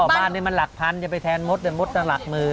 บ้านนี่มันหลักพันธุ์อย่าไปแทนมดเดี๋ยวมดต้องหลักมือ